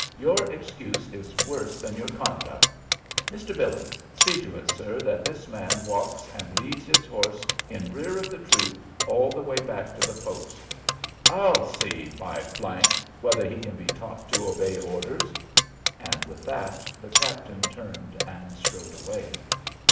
your excuse is worse than your conduct. Mr. Billings, see to it, sir, that this man walks and leads his horse in rear of the troop all the way back to the post. I'll see, by ! whether he can be taught to obey orders." And with that the captain turned and strode away.